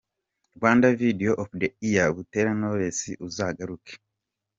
Rwanda Video of the Year Butera Knowless – Uzagaruke.